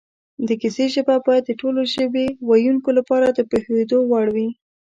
د کیسې ژبه باید د ټولو ژبې ویونکو لپاره د پوهېدو وړ وي